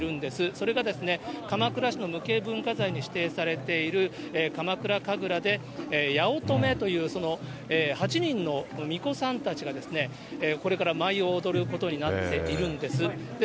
それが、鎌倉市の無形文化財に指定されている鎌倉かぐらで、八乙女というその８人のみこさんたちがこれから舞を踊ることになっているんです。